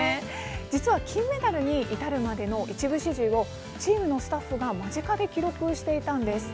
実は金メダルに至るまでの一部始終をチームのスタッフが間近で記録していたんです。